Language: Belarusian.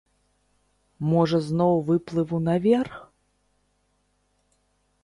Можа зноў выплыву наверх?